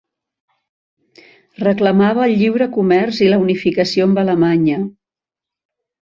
Reclamava el lliure comerç i la unificació amb Alemanya.